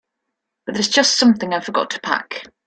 But it's just something I forgot to pack.